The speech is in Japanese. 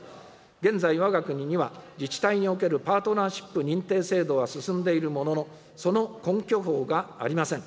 現在わが国には、自治体におけるパートナーシップ認定制度は進んでいるものの、その根拠法がありません。